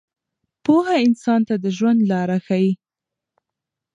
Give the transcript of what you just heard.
پوهه انسان ته د ژوند لاره ښیي.